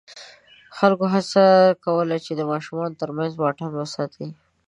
خلکو هڅه کوله چې د ماشومانو تر منځ واټن وساتي.